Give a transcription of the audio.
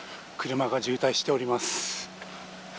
車が渋滞しております。